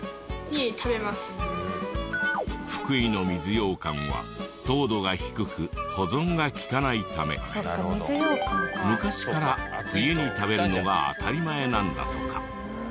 福井の水ようかんは糖度が低く保存が利かないため昔から冬に食べるのが当たり前なんだとか。